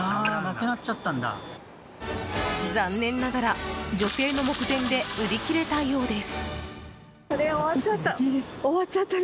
残念ながら女性の目前で売り切れたようです。